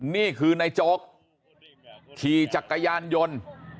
นี่คือนายโจ๊กขี่จักรยานยนต์